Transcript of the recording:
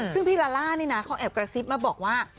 ซึ่งพี่ลาล่านี่นะเขาแอบกระซิบมาบอกว่า